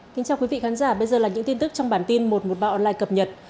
xin chào quý vị khán giả bây giờ là những tin tức trong bản tin một trăm một mươi ba online cập nhật